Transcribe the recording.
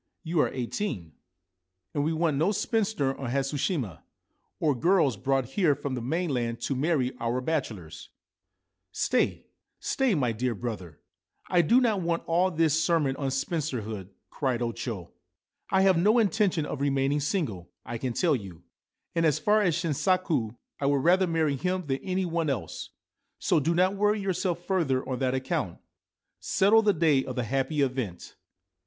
You are eighteen, and we want no spinsters on Hatsushima, or girls brought here from the mainland to marry our bachelors/ 163 Ancient Tales and Folklore of Japan * Stay, stay, my dear brother ! I do not want all this sermon on spinsterhood,' cried O Cho. * I have no intention of remaining single, I can tell you ; and as for Shinsaku I would rather marry him than any one else — so do not worry yourself further on that account. Settle the day of the happy event.